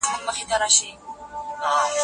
د سړي لور شه او واړه مېلمنو ته مه راپرېږده.